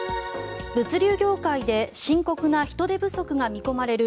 物流業界で深刻な人手不足が見込まれる